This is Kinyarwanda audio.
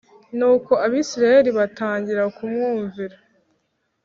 nuko abisirayeli batangira kumwumvira,